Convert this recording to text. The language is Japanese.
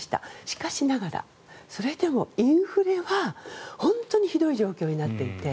しかしながら、それでもインフレは本当にひどい状況になっていて。